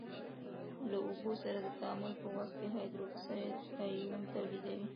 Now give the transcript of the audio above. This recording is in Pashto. له اوبو سره د تعامل په وخت کې هایدروکساید آیون تولیدوي.